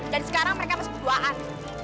dan sekarang mereka masih berduaan